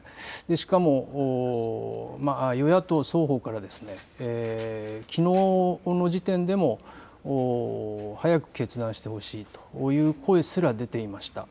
しかも与野党双方から、きのうの時点でも、早く決断してほしいという声すら出ていました。